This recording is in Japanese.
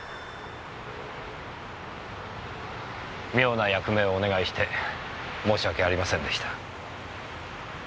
妙な役目をお願いして申し訳ありませんでした。